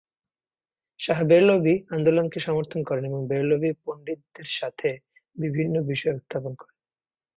শাহ বেরলভী আন্দোলনকে সমর্থন করেন এবং বেরলভী পণ্ডিতদের সাথে বিভিন্ন বিষয় উত্থাপন করেন।